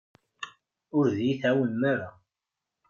Ur d-iyi-tɛawnem ara.